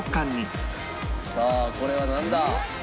さあこれはなんだ？